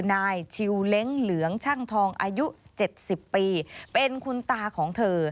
นายชิวเล้งเหลืองช่างทองอายุ๗๐ปีเป็นคุณตาของเธอ